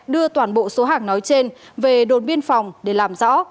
đưa toàn bộ số hàng nói trên về đồn biên phòng để làm rõ